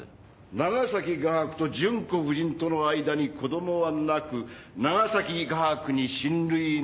長崎画伯と純子夫人との間に子どもはなく長崎画伯に親類なし。